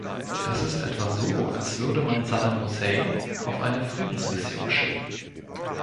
Das ist etwa so, als würde man Saddam Hussein auf eine Friedensmission schicken.